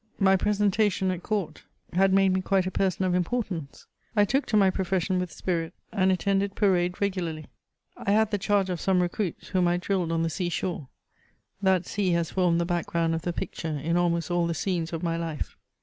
My presentation at court had made me quite a person of importance. I took to my profession with spirit, and attended parade regularly. I had the charge of some regjiiits, whom I drilled on the sea shore ; that sea has formed the background of the picture in almost aU the scenes of my hfe.